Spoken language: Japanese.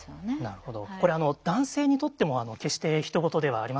これ男性にとっても決してひと事ではありません。